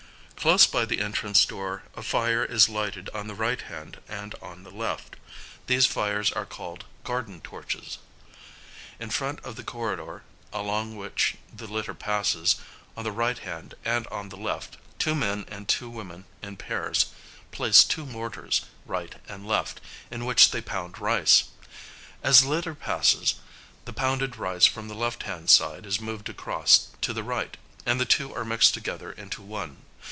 Close by the entrance door a fire is lighted on the right hand and on the left. These fires are called garden torches. In front of the corridor along which the litter passes, on the right hand and on the left, two men and two women, in pairs, place two mortars, right and left, in which they pound rice; as the litter passes, the pounded rice from the left hand side is moved across to the right, and the two are mixed together into one.